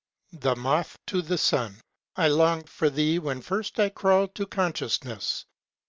The Moth to the Sun " I longed for thee when first I crawled to consciousness.